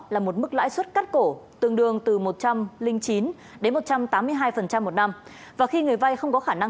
là một mức lãi suất cắt cổ tương đương từ một trăm linh chín đến một trăm tám mươi hai một năm và khi người vay không có khả năng